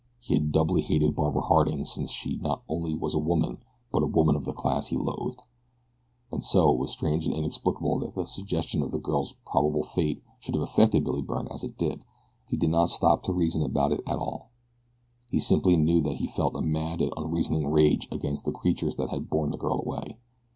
He had doubly hated Barbara Harding since she not only was a woman, but a woman of the class he loathed. And so it was strange and inexplicable that the suggestion of the girl's probable fate should have affected Billy Byrne as it did. He did not stop to reason about it at all he simply knew that he felt a mad and unreasoning rage against the creatures that had borne the girl away.